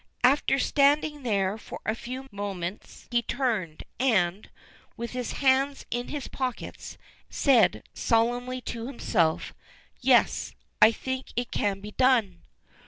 After standing there for a few moments he turned, and, with his hands in his pockets, said solemnly to himself: "Yes, I think it can be done!"